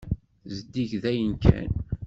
Zeddig dayen kan.